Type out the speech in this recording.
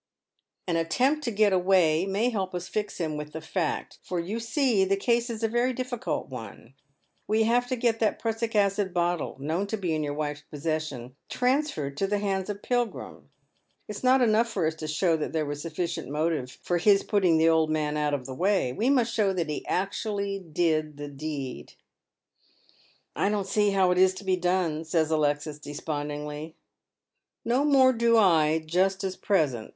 An attempt to get away may help us to fix him with the fact, for you see the case is a very difficult one. "We have to get that prussic acid bottle, known to be in your wife's posses Bion, transferred to the hands of Pilgiira. It's not enough for us to show that there was sufficient motive for his putting the old man out of the way, we must show that he actually did the deed." " 1 don't see how it is to be done," says Alexis despondingly. " No more do I, just at present."